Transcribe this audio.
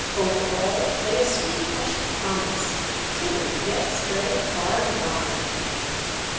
Over all lay a sweet hush of promise, timid yet spreading far and wide.